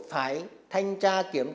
phải thanh tra cho người lao động